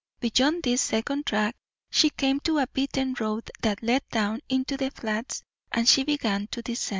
Beyond this second track she came to a beaten road that led down into the Flats, and she began to descend.